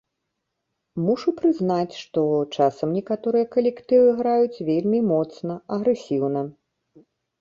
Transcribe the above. Мушу прызнаць, што часам некаторыя калектывы граюць вельмі моцна, агрэсіўна.